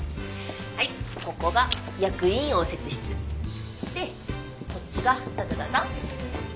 はいここが役員応接室。でこっちがどうぞどうぞ。